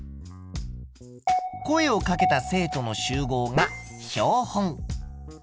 声をかけた生徒の集合が標本。